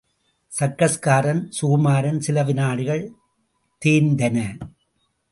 சர்க்கஸ்காரன்... சுகுமாரன்! சில வினாடிகள் தேய்ந்தன.